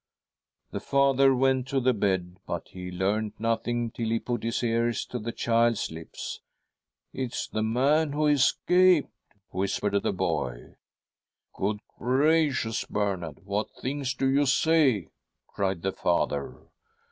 The father went to the bed, but he learnt nothing till he put his ears to the child's lips. ' It's the man who escaped !' whispered the boy. ' Good gracious, Bernard, what things you do say !' cried the father.